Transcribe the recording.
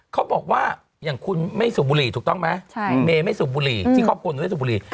เขาบอกว่าอย่างคุณไม่สูบบุหรี่ถูกต้องไหมเมย์ไม่สูบบุหรี่ที่ครอบครัวหนูไม่สูบบุหรี่